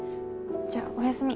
じゃあおやすみ。